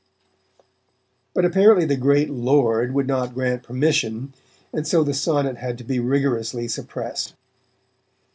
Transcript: But apparently the "great Lord" would not grant permission, and so the sonnet had to be rigorously suppressed.